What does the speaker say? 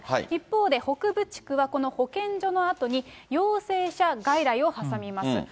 一方で北部地区は、この保健所のあとに陽性者外来を挟みます。